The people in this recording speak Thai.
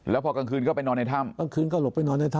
แล้วพอกลางคืนก็ไปนอนในถ้ำ